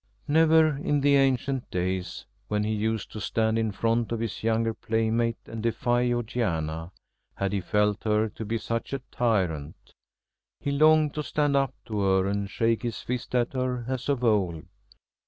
Never in the ancient days, when he used to stand in front of his younger playmate and defy Georgiana, had he felt her to be such a tyrant. He longed to stand up to her and shake his fist at her as of old.